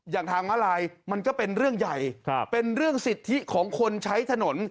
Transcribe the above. อย่างทางมาลายมันก็เป็นเรื่องใหญ่เป็นเรื่องสิทธิของคนใช้ถนน